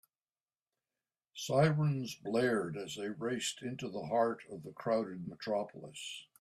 Sirens blared as they raced into the heart of the crowded metropolis.